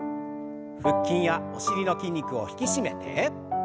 腹筋やお尻の筋肉を引き締めて。